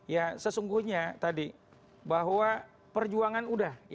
ya sesungguhnya tadi bahwa perjuangan udah